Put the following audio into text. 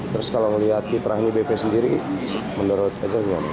terus kalau melihat kiprahnya bp sendiri menurut anda gimana